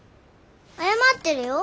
謝ってるよ。